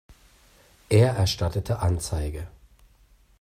Er erstattete Anzeige.